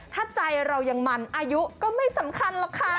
ถ้าใจเรายังมันอายุก็ไม่สำคัญหรอกค่ะ